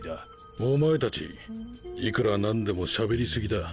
お前たちいくら何でもしゃべり過ぎだ。